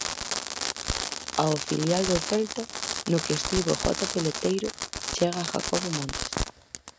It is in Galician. Ao filial do Celta, no que estivo Jota Peleteiro, chega Jacobo Montes.